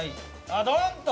ドンと。